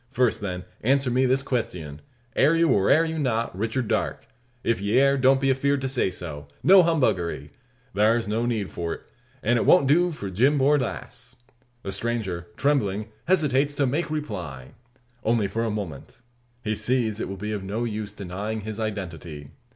First, then, answer me this questyun: Air you, or air you not, Richard Darke? If ye air, don't be afeerd to say so. No humbuggery! Thar's no need for't. An' it won't do for Jim Borlasse." The stranger, trembling, hesitates to make reply. Only for a moment. He sees it will be of no use denying his identity.